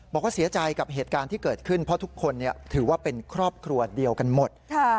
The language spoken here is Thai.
บอกว่าเสียใจกับเหตุการณ์ที่เกิดขึ้นเพราะทุกคนถือว่าเป็นครอบครัวเดียวกันหมด